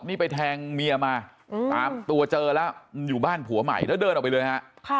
นี่ไปแทงเมียมาตามตัวเจอแล้วอยู่บ้านผัวใหม่แล้วเดินออกไปเลยฮะ